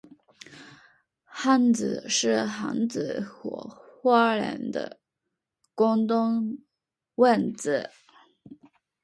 汉字是汉族或华人的共同文字